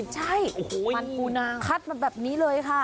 ใช่มันปูนาคัดมาแบบนี้เลยค่ะ